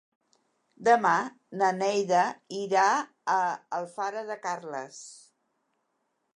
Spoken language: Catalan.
Demà na Neida irà a Alfara de Carles.